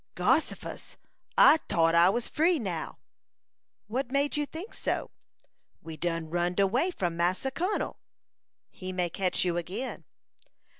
"Gossifus! I tought I was free now." "What made you think so?" "We done runned away from Massa Kun'l." "He may catch you again."